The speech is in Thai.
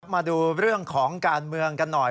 มาดูเรื่องของการเมืองกันหน่อย